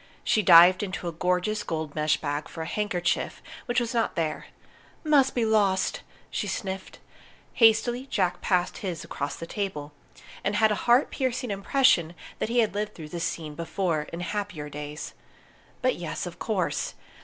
She dived into a gorgeous gold mesh bag for a handkerchief, which was not there. "Must be lost!" she sniffed. Hastily Jack passed his across the table, and had a heart piercing impression that he had lived through this scene before, in happier days. But yes, of course!